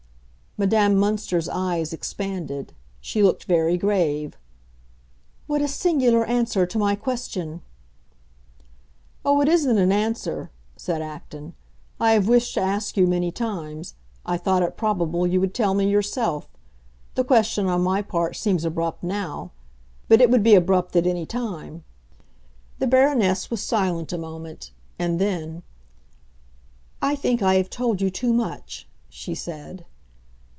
Madame Münster's eyes expanded; she looked very grave. "What a singular answer to my question!" "Oh, it isn't an answer," said Acton. "I have wished to ask you, many times. I thought it probable you would tell me yourself. The question, on my part, seems abrupt now; but it would be abrupt at any time." The Baroness was silent a moment; and then, "I think I have told you too much!" she said.